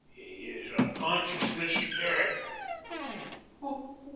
"He is unconscious, Mrs. Derrick."